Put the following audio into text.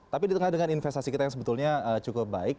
tapi di tengah dengan investasi kita yang sebetulnya cukup baik